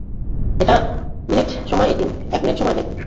একটা মিনিট সময় দিন!